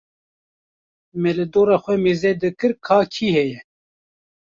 me li dora xwe mêzedikir ka kî heye.